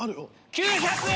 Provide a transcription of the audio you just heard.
９００円！